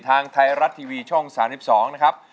ทางไทยรัฐทีวีช่อง๓๒นะครับ